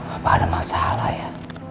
apa ada masalah ya